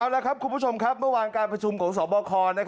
เอาละครับคุณผู้ชมครับเมื่อวานการประชุมของสบค